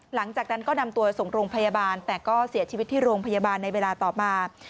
หลังจากนั้นก็นำตัวส่งโรงพยาบาลแต่ก็เสียชีวิตที่โรงพยาบาลในเวลาต่อมา